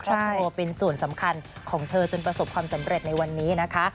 ครอบครัวเป็นส่วนสำคัญของเธอจนประสบความสำเร็จในวันนี้นะคะ